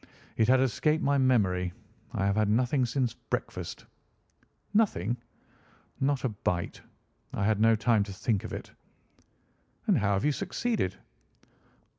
It had escaped my memory. I have had nothing since breakfast." "Nothing?" "Not a bite. I had no time to think of it." "And how have you succeeded?"